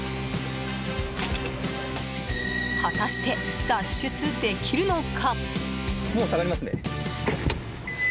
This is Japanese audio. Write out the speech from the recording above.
果たして脱出できるのか？